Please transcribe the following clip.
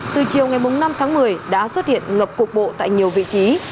từ chiều ngày bốn năm một mươi đã xuất hiện ngập cục bộ tại nhiều vị trí